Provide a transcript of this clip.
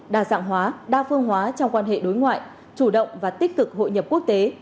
đa dạng hóa đa phương hóa trong quan hệ đối ngoại chủ động và tích cực hội nhập quốc tế